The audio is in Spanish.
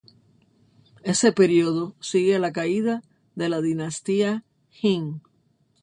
Este período sigue a la caída de la dinastía Jin.